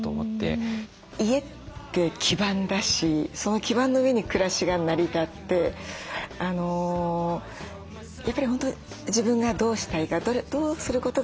家って基盤だしその基盤の上に暮らしが成り立ってやっぱり本当自分がどうしたいかどうすることが自分の幸せか。